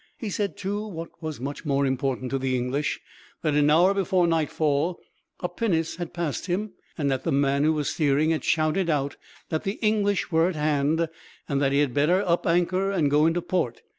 He said, too, what was much more important to the English that, an hour before nightfall, a pinnace had passed him, and that the man who was steering had shouted out that the English were at hand, and that he had better up anchor and go into the port.